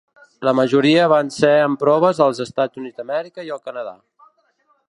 La majoria van ser en proves als Estats Units d'Amèrica i al Canadà.